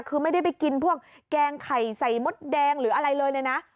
คือไม่ได้ไปกินพวกแกงไข่ใส่มดแดงหรืออะไรเลยเลยนะ